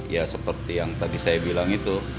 ya seperti yang tadi saya bilang itu